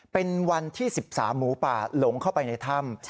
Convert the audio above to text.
เป็นวันที่๑๓หมูป่าหลงเข้าไปในถ้ำ